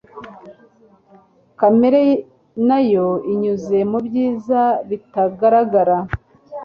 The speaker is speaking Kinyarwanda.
Kamere nayo inyuze mubyiza bitagaragara